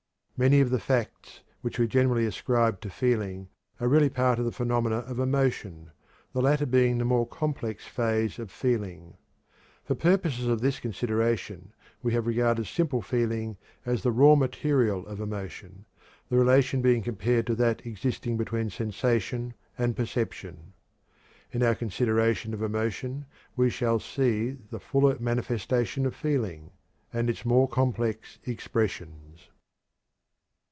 Many of the facts which we generally ascribe to feeling are really a part of the phenomena of emotion, the latter being the more complex phase of feeling. For the purposes of this consideration we have regarded simple feeling as the raw material of emotion, the relation being compared to that existing between sensation and perception. In our consideration of emotion we shall see the fuller manifestation of feeling, and its more complex expressions.